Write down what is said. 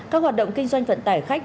các hoạt động kinh doanh vận tải khách